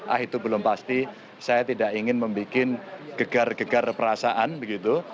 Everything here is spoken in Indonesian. ah itu belum pasti saya tidak ingin membuat gegar gegar perasaan begitu